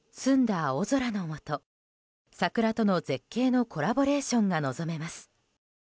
青空のもと桜との絶景のコラボレーションが望めます。